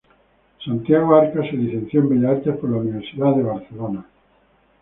Santiago Arcas se licenció en Bellas Artes por la Universidad de Barcelona.